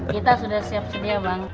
kita sudah siap sedia bang